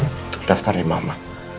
untuk daftar di mama